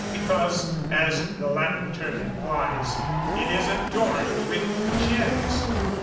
"_ Because, as the Latin term implies, it is adorned with gems.